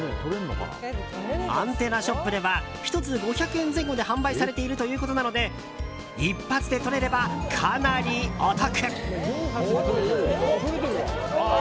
アンテナショップでは１つ５００円前後で販売されているということなので１発で取れれば、かなりお得。